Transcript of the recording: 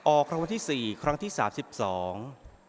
รางวัลที่สี่ครั้งที่สามสิบสอง